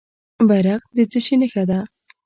بیرغ د څه شي نښه ده؟